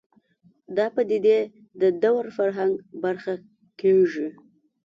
دا پدیدې د دور فرهنګ برخه کېږي